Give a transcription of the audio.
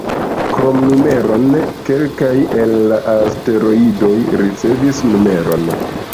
Krom numeron, kelkaj el la asteroidoj ricevis nomon.